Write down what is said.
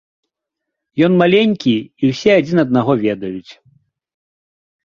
Ён маленькі, і ўсе адзін аднаго ведаюць.